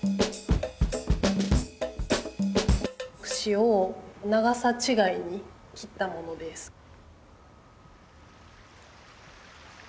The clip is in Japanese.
クシを長さちがいに切ったものです。